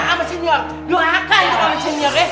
nggak sama senior lu rakan sama senior ya